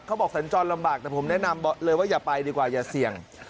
สัญจรลำบากแต่ผมแนะนำเลยว่าอย่าไปดีกว่าอย่าเสี่ยง